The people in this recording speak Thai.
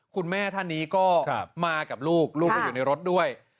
คุณแม่ท่านนี้ก็มากับลูกลูกก็อยู่ในรถด้วย